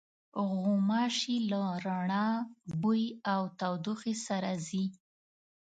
غوماشې له رڼا، بوی او تودوخې سره ځي.